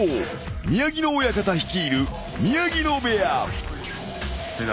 宮城野親方率いる宮城野部屋］